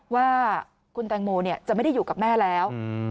ว่าคุณแตงโมจะไม่ได้อยู่กับแม่แล้ว